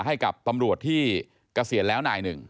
ให้กับตำรวจที่เกษียณแล้วนายหนึ่ง